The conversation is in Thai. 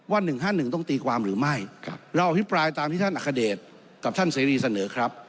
ว่า๑๕๑ต้องตีความหรือไม่เราอภิปรายตามที่ท่านอัคเดชกับท่านเสรีเสนอครับ